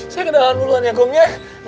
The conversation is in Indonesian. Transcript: saya kedahuan duluan ya gomb